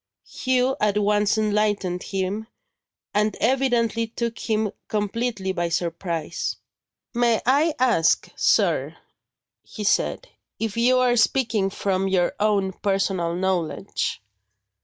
Hugh at once enlightened him, and evidently took him completely by surprise. "May I ask, sir," he said, "if you are speaking from your own personal knowledge?"